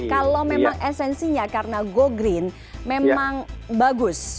kalau memang esensinya karena go green memang bagus